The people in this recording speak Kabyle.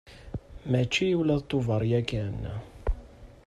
Mačči ula d Tubeṛ yakan.